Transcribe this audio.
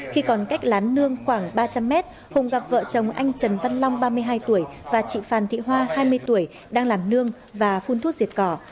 khi còn cách lán nương khoảng ba trăm linh mét hùng gặp vợ chồng anh trần văn long ba mươi hai tuổi và chị phan thị hoa hai mươi tuổi đang làm nương và phun thuốc diệt cỏ